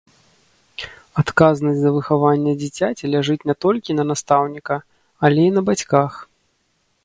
Адказнасць за выхаванне дзіцяці ляжыць не толькі на настаўніка, але і на бацьках.